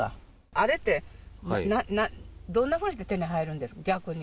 あれって、どんなふうにして手に入るんですか、逆に。